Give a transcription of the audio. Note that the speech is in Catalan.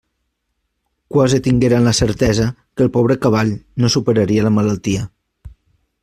Quasi tingueren la certesa que el pobre cavall no superaria la malaltia.